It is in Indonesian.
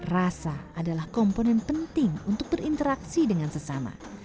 rasa adalah komponen penting untuk berinteraksi dengan sesama